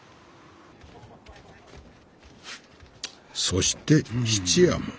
「そして質屋も。